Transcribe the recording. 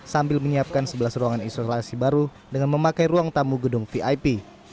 sambil menyiapkan sebelas ruangan isolasi baru dengan memakai ruang tamu gedung vip